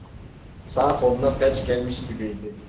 Sağ koluna felç gelmiş gibiydi.